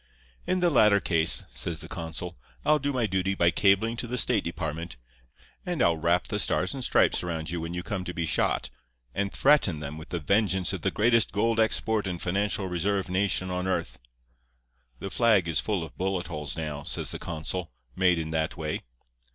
In the latter case,' says the consul, 'I'll do my duty by cabling to the State Department, and I'll wrap the Stars and Stripes around you when you come to be shot, and threaten them with the vengeance of the greatest gold export and financial reserve nation on earth. The flag is full of bullet holes now,' says the consul, 'made in that way.